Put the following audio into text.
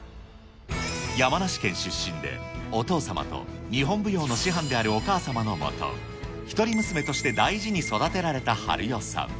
山梨県出身で、お父様と日本舞踊の師範であるお母様の下、一人娘として大事に育てられた晴代さん。